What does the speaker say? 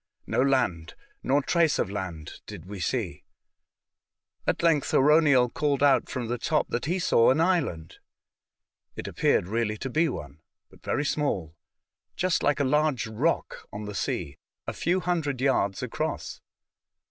No land, nor trace of land, did we see. At length Arauniel called out from the top that he saw an island. It appeared really to be one, but very small — just like a large rock on the sea, a few hundred yards across.